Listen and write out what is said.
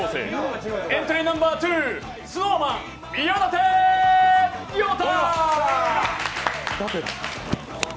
エントリーナンバー２、ＳｎｏｗＭａｎ、宮舘涼太。